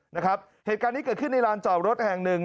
เหตุการณ์นี้เกิดขึ้นในลานจอดรถแห่งหนึ่ง